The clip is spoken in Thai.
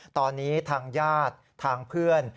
ตอนนี้ทางญาติทางเพื่อน